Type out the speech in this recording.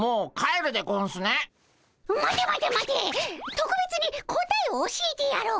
とくべつに答えを教えてやろう。